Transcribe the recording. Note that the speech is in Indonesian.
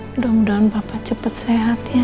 mudah mudahan papa cepet sehat ya